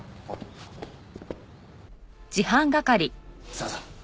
さあさあ